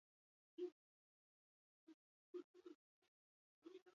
Bigarren Boer Gerran zalditeriaren agintari arrakastatsua izan zen.